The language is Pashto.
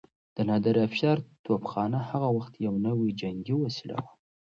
د نادرافشار توپخانه د هغه وخت يو نوی جنګي وسيله وه.